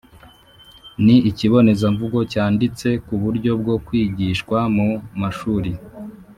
Ni ikibonezamvugo cyanditse ku buryo bwo kwigishwa mu mashuri,